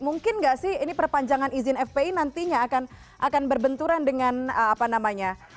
mungkin nggak sih ini perpanjangan izin fpi nantinya akan berbenturan dengan apa namanya